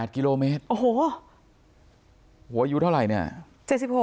๒๘กิโลเมตรโอ้โหหัวอยู่เท่าไรเนี่ย